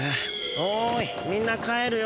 おいみんな帰るよ。